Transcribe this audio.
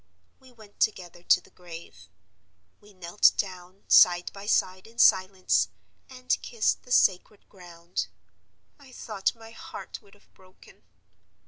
We went together to the grave; we knelt down, side by side, in silence, and kissed the sacred ground. I thought my heart would have broken.